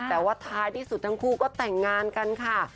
แต่ว่าท้ายที่สุดทั้งคู่ก็แต่งงานกันค่ะ